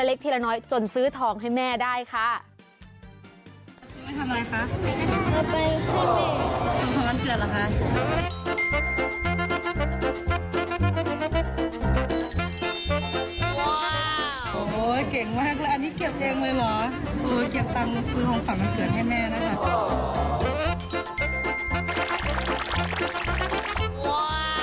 โอ้โฮเก็บตังค์ซื้อของฝั่งกันเกือบให้แม่นะคะ